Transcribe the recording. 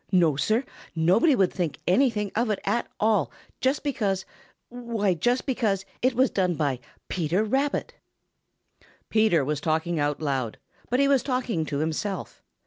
No, Sir, nobody would think anything of it at all just because why just because it was done by Peter Rabbit." Peter was talking out loud, but he was talking to himself.